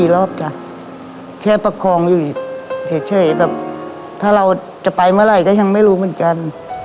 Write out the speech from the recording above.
รอบจ้ะแค่ประคองอยู่อีกเฉยแบบถ้าเราจะไปเมื่อไหร่ก็ยังไม่รู้เหมือนกัน